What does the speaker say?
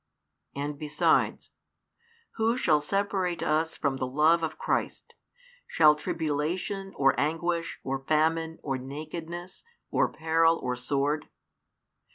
And besides: Who shall separate us from the love of Christ? Shall tribulation, or anguish, or famine, or nakedness, or peril, or sword?